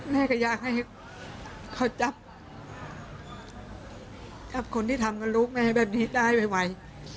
แม่ก็อยากให้เขาจับคนที่ทำกับลูกแม่แบบนี้ได้ไว